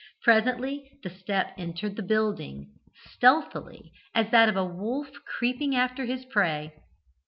Presently the step entered the building, stealthily as that of a wolf creeping after his prey.